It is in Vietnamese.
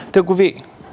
thưa quý vị